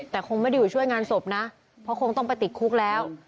แต่คงไม่ได้อยู่ช่วยงานศพนะเพราะคงต้องไปติดคุกแล้ว